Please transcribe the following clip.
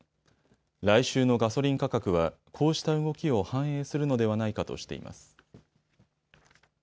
来週のガソリン価格はこうした動きを反映するのではないかとしています。